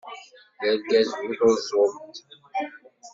D argaz bu tuẓult.